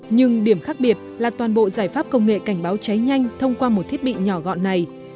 nhưng điểm khác biệt là toàn bộ giải pháp công nghệ cảnh báo cháy nhanh thông qua một thiết bị nhỏ gọn này